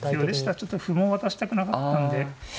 ちょっと歩も渡したくなかったんで。